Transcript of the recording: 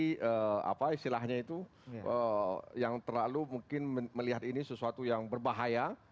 ini apa istilahnya itu yang terlalu mungkin melihat ini sesuatu yang berbahaya